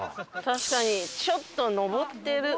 確かにちょっと上ってる。